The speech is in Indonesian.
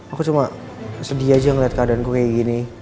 aku cuma sedih aja ngeliat keadaanku kayak gini